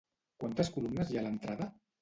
Quantes columnes hi ha a l'entrada?